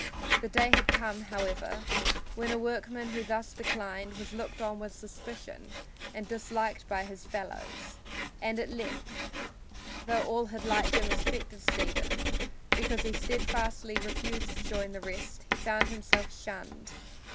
The day had come, however, when a workman who thus declined was looked on with suspicion and dislike by his fellows, and at length though all had liked and respected Stephen because he steadfastly refused to join the rest, he found himself shunned.